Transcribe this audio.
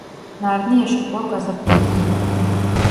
ნარნიაში კვლავ გაზაფხული ბრუნდება.